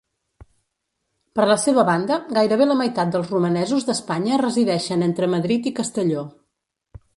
Per la seva banda, gairebé la meitat dels romanesos d'Espanya resideixen entre Madrid i Castelló.